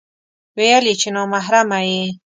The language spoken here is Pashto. ويل يې چې نا محرمه يې